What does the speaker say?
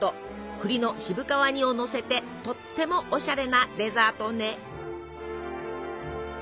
栗の渋皮煮をのせてとってもおしゃれなデザートね。